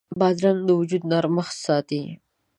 بادرنګ د وجود نرمښت ساتي.